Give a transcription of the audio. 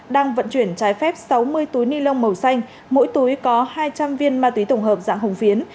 đang vận chuyển trái phép sáu mươi túi ni lông màu xanh mỗi túi có hai trăm linh viên ma túy tổng hợp dạng hồng phiến